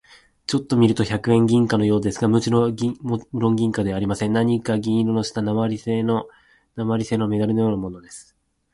ちょっと見ると百円銀貨のようですが、むろん銀貨ではありません。何か銀色をした鉛製なまりせいのメダルのようなものです。